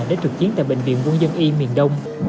đến trực chiến tại bệnh viện quân dân y miền đông